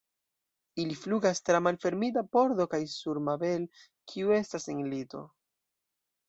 Ili flugas tra malfermita pordo kaj sur Mabel, kiu estas en lito.